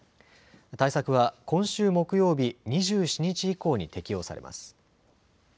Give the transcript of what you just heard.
対策は今週木曜日２７日以降に適用されます。